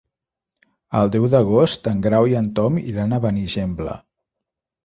El deu d'agost en Grau i en Tom iran a Benigembla.